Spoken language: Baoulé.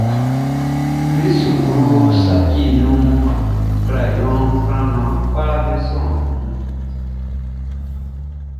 Min suklu saciʼn nunʼn, crayon klanman kpaʼm be sɔnnin.